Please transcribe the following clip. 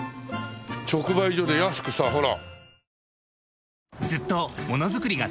直売所で安くさほら。